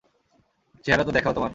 চেহারা তো দেখাও তোমার।